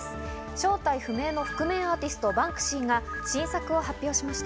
正体不明の覆面アーティスト、バンクシーが新作を発表しました。